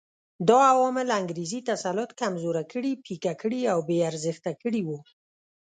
دا عوامل انګریزي تسلط کمزوري کړي، پیکه کړي او بې ارزښته کړي وو.